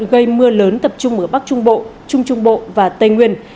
gây mưa lớn tập trung ở bắc trung bộ trung trung bộ và tây nguyên